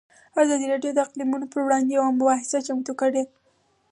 ازادي راډیو د اقلیتونه پر وړاندې یوه مباحثه چمتو کړې.